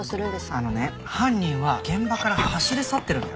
あのね犯人は現場から走り去ってるんだよ？